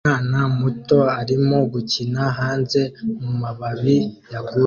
Umwana muto arimo gukina hanze mumababi yaguye